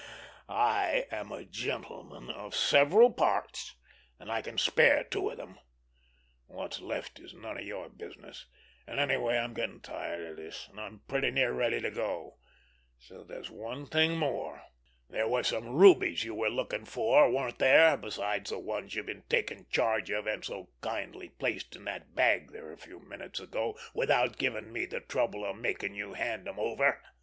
I am a gentleman of several parts, and I can spare two of them. What's left is none of your business, and anyway I'm getting tired of this, and I'm pretty near ready to go. But there's one thing more—there were some rubies you were looking for, weren't there, besides the ones you've been taking charge of and so kindly placed in that bag there a few minutes ago without giving me the trouble of making you hand them over?"